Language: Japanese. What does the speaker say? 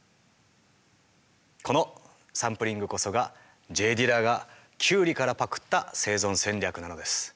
このサンプリングこそがＪ・ディラがキュウリからパクった生存戦略なのです。